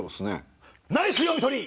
ナイス読み取り！